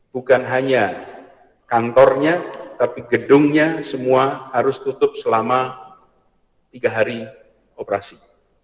bukan hanya kantornya tapi gedungnya semua harus tutup selama tiga hari operasi